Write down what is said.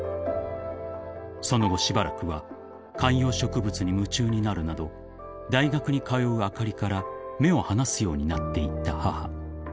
［その後しばらくは観葉植物に夢中になるなど大学に通うあかりから目を離すようになっていった母］